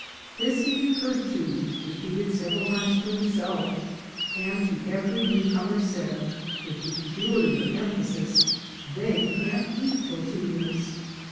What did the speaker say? This he recurred to, repeated several times to himself, and to every new comer said, with peculiar emphasis, they can't eat tortillas.